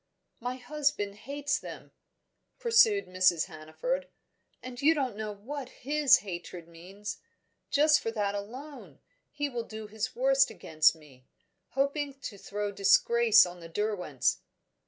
"My husband hates them," pursued Mrs. Hannaford, "and you don't know what his hatred means. Just for that alone, he will do his worst against me hoping to throw disgrace on the Derwents."